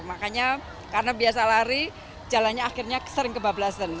makanya karena biasa lari jalannya akhirnya sering kebablasan